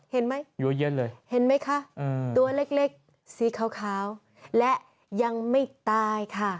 เห็นไหมเห็นไหมคะตัวเล็กสีขาวและยังไม่ตายค่ะ